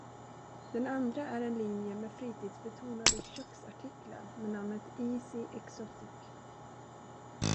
Den andra är en linje med fritidsbetonade köksartiklar med namnet Easy Exotic.